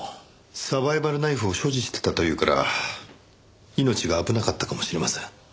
サバイバルナイフを所持してたというから命が危なかったかもしれません。